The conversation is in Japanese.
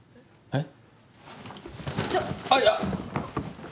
えっ？